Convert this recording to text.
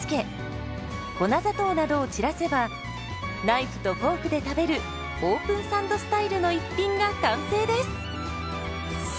ナイフとフォークで食べるオープンサンドスタイルの一品が完成です。